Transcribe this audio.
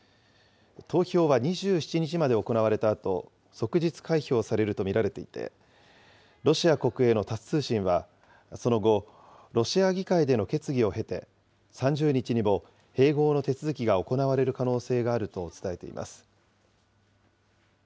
投票は２７日まで行われたあと、即日開票されると見られていて、ロシア国営のタス通信は、その後、ロシア議会での決議を経て、３０日にも併合の手続きが行われる可能性があると伝えています。